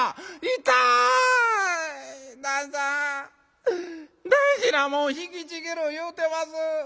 「痛い！旦さん大事なもん引きちぎる言うてます」。